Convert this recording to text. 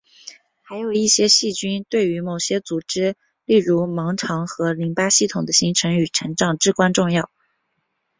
还有一些细菌对于某些组织例如盲肠和淋巴系统的形成与成长至关重要。